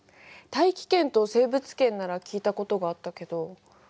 大気圏と生物圏なら聞いたことがあったけど。